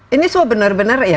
ini semua benar benar ya